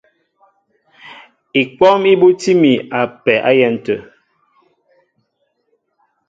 Ikwɔ́m í búti mi a pɛ á yɛ̌n tə̂.